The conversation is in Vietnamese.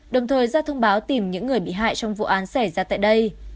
đồng thời ra thông báo tìm những người bị hại trong vụ án xảy ra tại đây